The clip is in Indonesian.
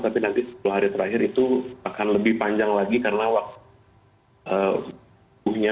tapi nanti sepuluh hari terakhir itu akan lebih panjang lagi karena waktunya